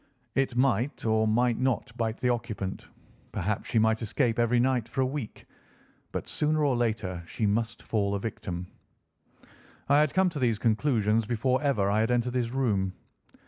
It might or might not bite the occupant, perhaps she might escape every night for a week, but sooner or later she must fall a victim. "I had come to these conclusions before ever I had entered his room.